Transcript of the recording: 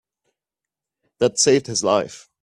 That saved his life.